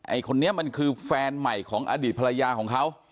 คนนี้มันคือแฟนใหม่ของอดีตภรรยาของเขา